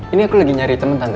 ini aku lagi nyari teman tante